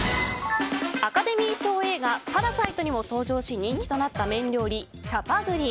アカデミー賞映画「パラサイト」にも登場し人気となった麺料理チャパグリ。